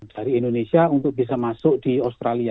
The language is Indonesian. dari indonesia untuk bisa masuk di australia